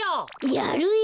やるよ。